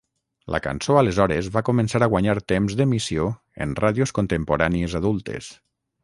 La cançó aleshores va començar a guanyar temps d'emissió en ràdios contemporànies adultes.